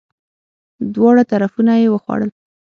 دواړه طرفونه یی وخوړل!